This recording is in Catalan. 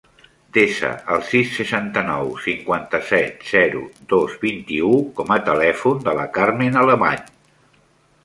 Desa el sis, seixanta-nou, cinquanta-set, zero, dos, vint-i-u com a telèfon de la Carmen Alemany.